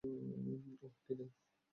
ওহ, কিনাই।